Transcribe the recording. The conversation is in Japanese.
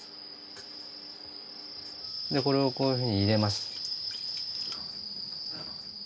でこれをこういうふうに入れます。